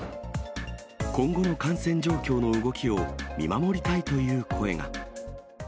今後の感染状況の動きを見守りたいという声が。